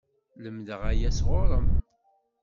Lemdeɣ aya sɣur-m!